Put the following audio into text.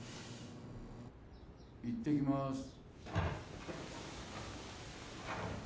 行ってきます